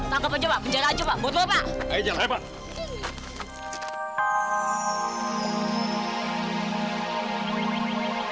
tangkap aja pak penjara aja pak buat bawa pak